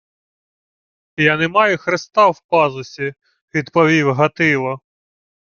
— Я не маю хреста в пазусі! — відповів Гатило.